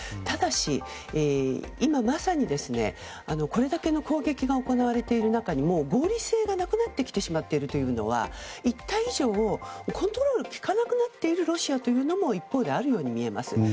ただし、今まさにこれだけの攻撃が行われている中に合理性がなくなってきてしまっているというのは言った以上コントロールがきかなくなっているロシアというのも一方であるように見えます。